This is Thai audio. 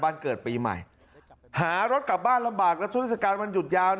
บ้านเกิดปีใหม่หารถกลับบ้านลำบากและเทศกาลวันหยุดยาว